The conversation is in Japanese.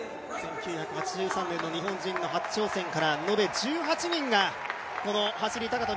１９８３年の日本人の初挑戦から延べ１８人が走高跳